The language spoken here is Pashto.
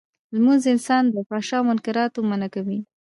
لمونځ انسان له فحشا او منکراتو منعه کوی.